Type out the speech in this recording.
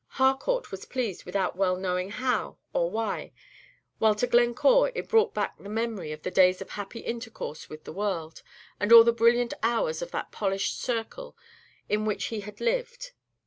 Harcourt was pleased without well knowing how or why, while to Glencore it brought back the memory of the days of happy intercourse with the world, and all the brilliant hours of that polished circle in which he had lived.